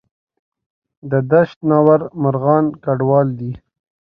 د دشت ناور مرغان کډوال دي